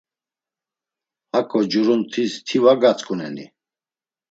Haǩu curuntis ti var gatzǩuneni?